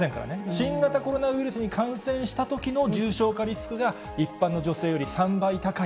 新型コロナウイルスに感染したときの重症化リスクが、一般の女性より３倍高い。